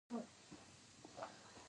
چرګان د افغانستان د کلتوري میراث برخه ده.